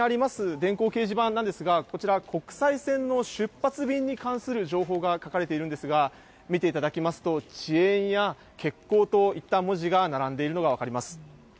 電光掲示板なんですが、こちら、国際線の出発便に関する情報が書かれているんですが、見ていただきますと、遅延や欠航といった文字が並んでいるのが分かります。